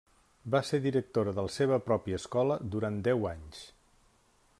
Va ser directora de la seva pròpia escola durant deu anys.